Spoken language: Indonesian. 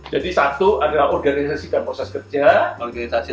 jadi satu adalah organisasikan proses kerja